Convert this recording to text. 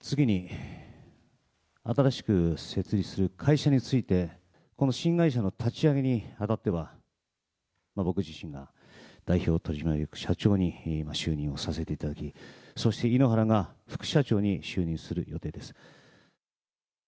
次に新しく設立する会社について、この新会社の立ち上げにあたっては、僕自身が代表取締役社長に就任をさせていただき、そして井ノ原が副社長に就任する予定です。